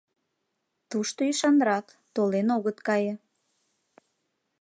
Тушто ӱшанрак, толен огыт кае.